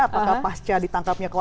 apakah pasca ditangkapnya